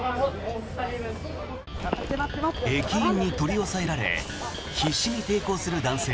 駅員に取り押さえられ必死に抵抗する男性。